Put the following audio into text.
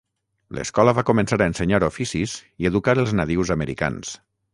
L'escola va començar a ensenyar oficis i educar els nadius americans.